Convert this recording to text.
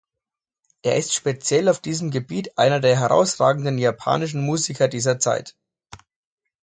Er ist speziell auf diesem Gebiet einer der herausragenden japanischen Musiker dieser Zeit.